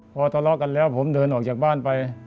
พอทะเลาะกันแล้วผมเดินออกจากบ้านไป